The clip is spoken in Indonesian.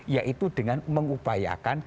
yaitu dengan mengupayakan